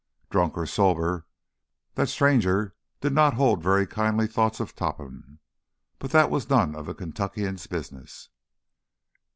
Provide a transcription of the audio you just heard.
Drunk or sober, that stranger did not hold very kindly thoughts of Topham. But that was none of the Kentuckian's business.